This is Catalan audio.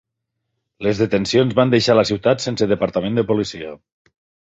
Les detencions van deixar la ciutat sense Departament de policia.